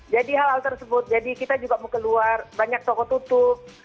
jadi hal hal tersebut jadi kita juga mau keluar banyak toko tutup